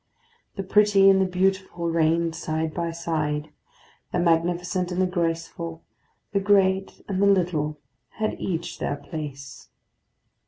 The pretty and the beautiful reigned side by side; the magnificent and the graceful, the great and the little, had each their place.